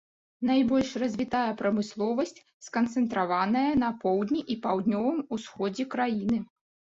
Найбольш развітая прамысловасць сканцэнтраваная на поўдні і паўднёвым усходзе краіны.